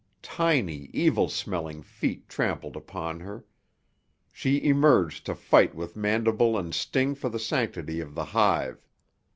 Tiny, evil smelling feet trampled upon her. She emerged to fight with mandible and sting for the sanctity of the hive.